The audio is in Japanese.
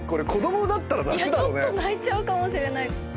いやちょっと泣いちゃうかもしれない。